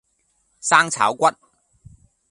生炒骨